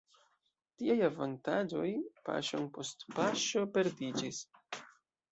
Tiaj avantaĝoj paŝon post paŝo perdiĝis.